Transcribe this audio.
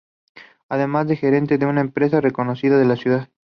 Además es gerente de una empresa reconocida en la ciudad.